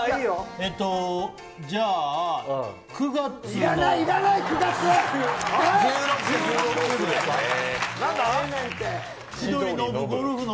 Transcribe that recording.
えっと、じゃあ、９月の。